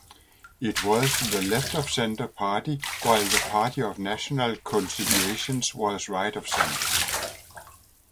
It was the left-of-center party while the Party of National Conciliation was right-of-center.